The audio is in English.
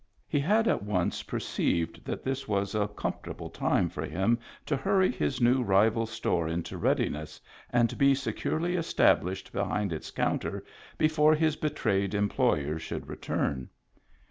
He had at once perceived that this was a comfort able time for him to hurry his new rival store into readiness and be securely established behind its counter before his betrayed employer should return.